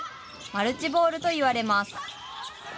マルチボールといわれます。